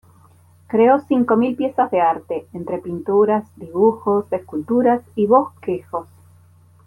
Creó cinco mil piezas de arte, entre pinturas, dibujos, esculturas y bosquejos.